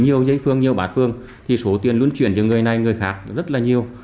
nhiều giấy phương nhiều bát phương thì số tiền lưu truyền cho người này người khác rất là nhiều